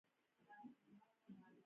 او ته چیرته ئي ؟